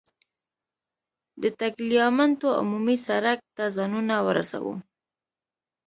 د ټګلیامنتو عمومي سړک ته ځانونه ورسوو.